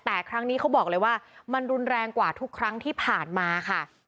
แต่ครั้งนี้เขาบอกเลยว่ามันรุนแรงกว่าทุกครั้งที่ผ่านมาค่ะ